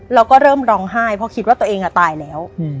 แล้วก็เริ่มร้องไห้เพราะคิดว่าตัวเองตายแล้ว